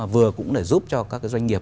vừa cũng để giúp cho các doanh nghiệp